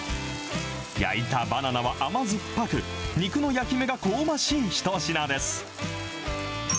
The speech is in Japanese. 焼いたバナナは甘酸っぱく、肉の焼き目が香ばしい一品です。